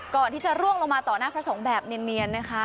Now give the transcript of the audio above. ก่อนที่จะร่วงลงมาต่อหน้าพระสงฆ์แบบเนียนนะคะ